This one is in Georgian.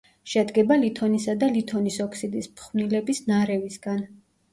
შედგება ლითონისა და ლითონის ოქსიდის ფხვნილების ნარევისგან.